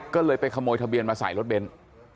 ก็เลยไปขโมยทะเบียนมาใส่รถเบนท์